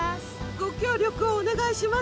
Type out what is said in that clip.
ご協力をお願いします。